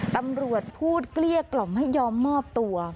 ตำรวจพูดเกลี้ยกล่อมให้ยอมมอบตัว